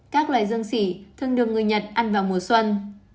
các loài dương sỉ thường được người nhật ăn vào mùa xuân